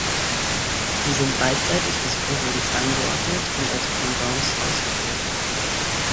Sie sind beidseits des Chorbogens angeordnet und als Pendants ausgeführt.